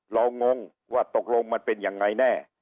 งงว่าตกลงมันเป็นยังไงแน่